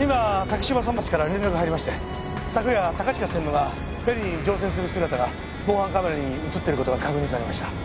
今竹芝桟橋から連絡が入りまして昨夜高近専務がフェリーに乗船する姿が防犯カメラに映ってる事が確認されました。